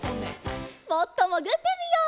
もっともぐってみよう。